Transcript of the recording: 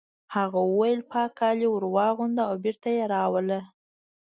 هغه وویل پاک کالي ور واغونده او بېرته یې راوله